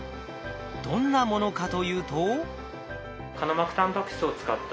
どんなものかというと。